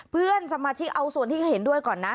เพื่อนสมาชิกเอาส่วนที่เขาเห็นด้วยก่อนนะ